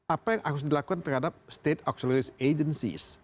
apa yang harus dilakukan terhadap state auxiliary agencies